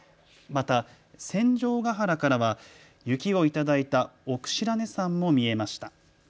また戦場ヶ原からは雪をいただいた奥白根山も見えました。